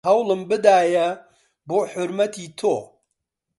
هەوڵم بدایێ بۆ حورمەتی تۆ